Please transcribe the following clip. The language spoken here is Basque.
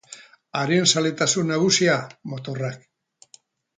Haren zaletasun nagusia, motorrak.